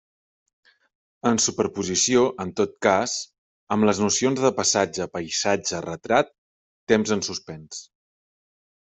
En superposició, en tot cas, amb les nocions de passatge, paisatge, retrat, temps en suspens.